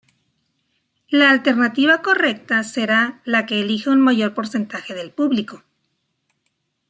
La alternativa correcta será la que elija un mayor porcentaje del público.